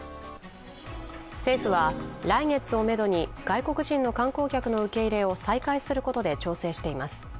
政府は来月をめどに外国人の観光客の受け入れを再開することで調整しています。